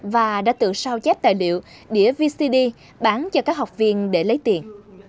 và đã tự sao chép tài liệu đĩa vcd bán cho các học viên để lấy tiền